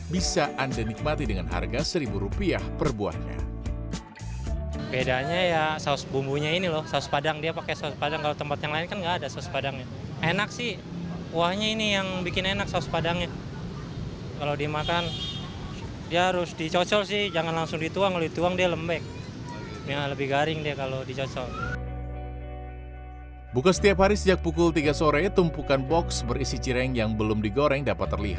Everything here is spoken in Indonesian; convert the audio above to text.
bisa anda nikmati di dalam video ini